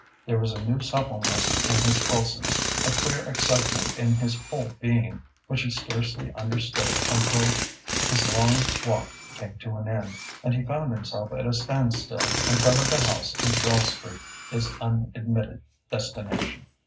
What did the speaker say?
There was a new suppleness in his pulses, a queer excitement in his whole being, which he scarcely understood until his long walk came to an end and he found himself at a standstill in front of the house in Charles Street, his unadmitted destination.